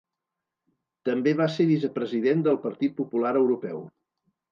També va ser vicepresident del Partit Popular Europeu.